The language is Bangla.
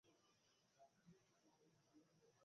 আমাদের ছেলে বেঁচে আছে, স্ট্রেট গেইজ।